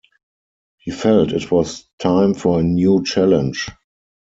He felt it was time for a new challenge.